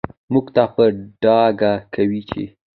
موږ ته په ډاګه کوي چې